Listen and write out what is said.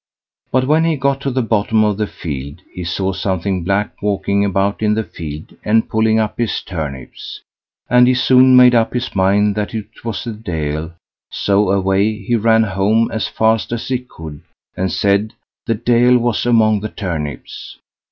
But when he got to the bottom of the field, he saw something black walking about in the field and pulling up his turnips, and he soon made up his mind that it was the Deil. So away he ran home as fast as he could, and said the Deil was among the turnips.